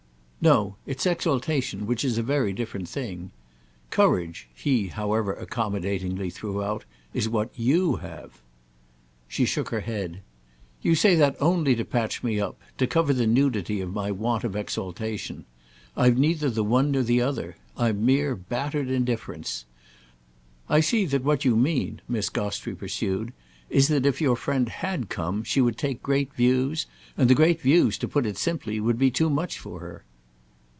"No—it's exaltation, which is a very different thing. Courage," he, however, accommodatingly threw out, "is what you have." She shook her head. "You say that only to patch me up—to cover the nudity of my want of exaltation. I've neither the one nor the other. I've mere battered indifference. I see that what you mean," Miss Gostrey pursued, "is that if your friend had come she would take great views, and the great views, to put it simply, would be too much for her."